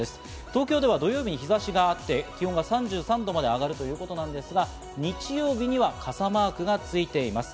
東京では土曜日に日差しがあって、気温が３３度まで上がるということですが、日曜日には傘マークがついています。